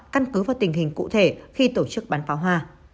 căn cứ vào tình hình cụ thể khi tổ chức bắn pháo hoa